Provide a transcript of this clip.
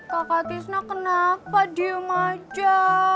kakak tisna kenapa diem aja